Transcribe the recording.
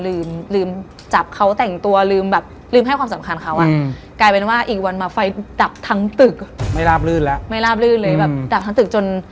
แอร์นอนกลางวันแอร์ก็ได้ยิน